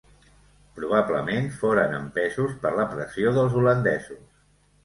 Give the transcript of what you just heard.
Probablement foren empesos per la pressió dels holandesos.